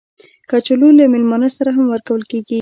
کچالو له میلمانه سره هم ورکول کېږي